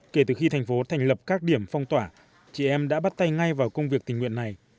kể từ khi thành phố thành lập các điểm phong tỏa chị em đã bắt tay ngay vào công việc tình nguyện này